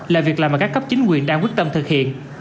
là việc làm mà các cấp chính quyền đang quyết tâm thực hiện